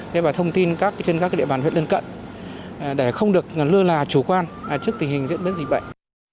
để bảo thông tin trên các địa bàn huyện đơn cận để không được lưu là chủ quan trước tình hình diễn biến dịch bệnh